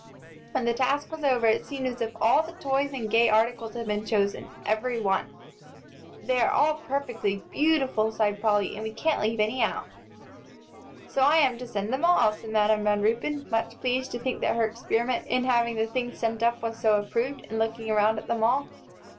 When the task was over, it seemed as if all the toys and gay articles had been chosen, every one! "They are all perfectly beautiful," sighed Polly, "and we can't leave any out." "So I am to send them all," said Madam Van Ruypen, much pleased to think that her experiment in having the things sent up was so approved, and looking around at them all.